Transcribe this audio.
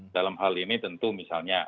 dalam hal ini tentu misalnya